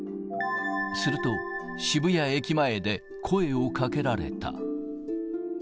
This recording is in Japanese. すると、渋谷駅前で声をかけられた。